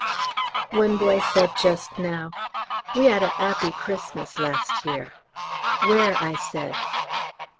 One boy said just now, "We 'ad a 'appy Xmas last year." "Where?" I said.